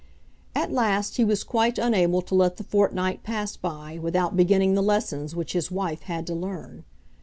At last he was quite unable to let the fortnight pass by without beginning the lessons which his wife had to learn.